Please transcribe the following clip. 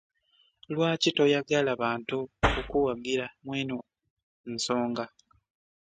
Lwaki toyagala bantu kukuwagira mweno nsonga?